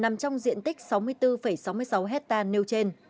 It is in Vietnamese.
nằm trong diện tích sáu mươi bốn sáu mươi sáu hectare nêu trên